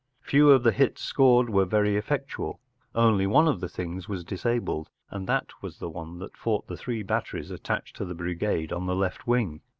Few of the hits scored were very effectual; only one of the things was disabled, and that was the one that fought the three batteries attached to the brigade on the left wing.